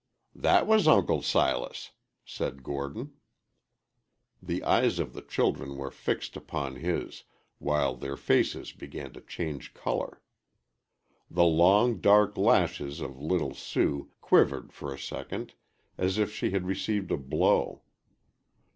"That was Uncle Silas," said Gordon. The eyes of the children were fixed upon his, while their faces began to change color. The long, dark lashes of little Sue quivered for a second as if she had received a blow.